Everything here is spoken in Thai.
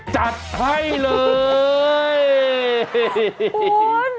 จัดให้เลย